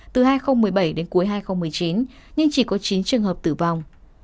từ hai nghìn một mươi bảy đến cuối hai nghìn một mươi chín nhưng chỉ có chín trường hợp tử vong